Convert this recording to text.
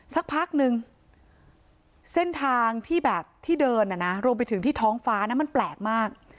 สักพักนึงเส้นทางที่แบบที่เดินอ่ะนะรวมไปถึงที่ท้องฟ้านะมันแปลกมาก